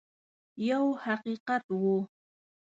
یو حقیقت وو.